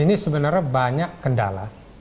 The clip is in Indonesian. ini sebenarnya banyak kendala